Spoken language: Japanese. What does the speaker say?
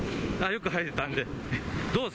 よく晴れてたんで。